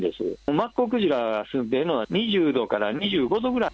マッコウクジラが住んでるのが、２０度から２５度ぐらい。